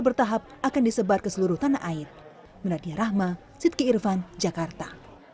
bertahap akan disebar ke seluruh tanah air meradya rahma siddqi irfan jakarta